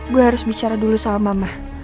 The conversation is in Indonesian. gue harus bicara dulu sama mama